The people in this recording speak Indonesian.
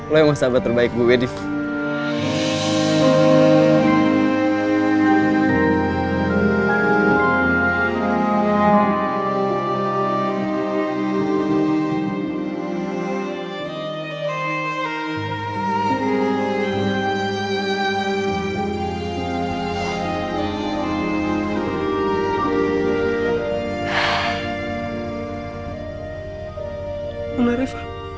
lo emang sahabat terbaik bu wedif